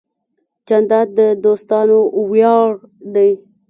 جانداد د دوستانو ویاړ دی.